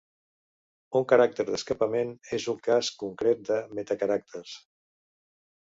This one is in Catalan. Un caràcter d'escapament és un cas concret de metacaràcters.